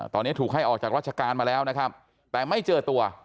ตอนนี้ถูกให้ออกจากราชการมาแล้วนะครับแต่ไม่เจอตัว